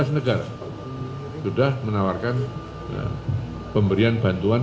lima belas negara sudah menawarkan pemberian bantuan